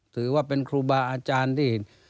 ถือว่าเป็นครูบาอาจารย์ที่